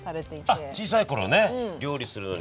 あっ小さい頃ね料理するのに。